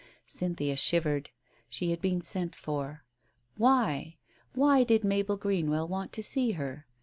Cynthia shivered. She had been sent for. Why? Why did Mabel Green well want to see her?